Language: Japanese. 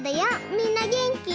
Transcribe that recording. みんなげんき？